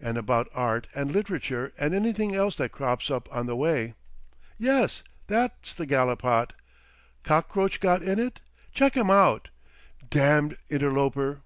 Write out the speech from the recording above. And about Art and Literature and anything else that crops up on the way.... Yes, that's the gallipot. Cockroach got in it? Chuck him out—damned interloper...."